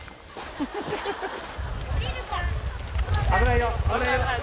危ないよ。